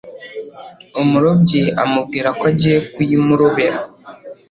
Umurobyi amubwira ko agiye kuyimurobera.